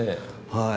はい。